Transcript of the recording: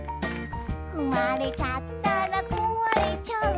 「ふまれちゃったらこわれちゃう」